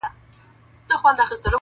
كه مو نه سړېږي زړه په انسانانو -